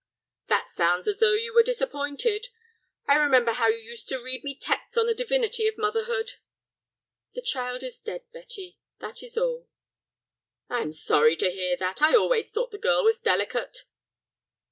"That sounds as though you were disappointed. I remember how you used to read me texts on the divinity of motherhood." "The child is dead, Betty, that is all." "I'm sorry to hear that. I always thought the girl was delicate."